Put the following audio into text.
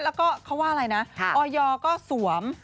แล้วก็เขาว่าอะไรนะออยก็สวม